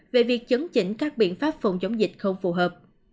về việc chấn chỉnh các biện pháp phòng chống dịch không phù hợp